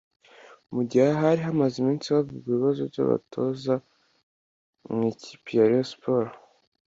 Mu gihe hari hamaze iminsi havugwa ibibazo by’abatoza mu ikipi ya Rayon Sports